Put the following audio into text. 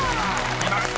［きました。